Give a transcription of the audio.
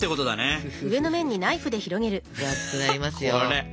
ふふふ分厚くなりますよ。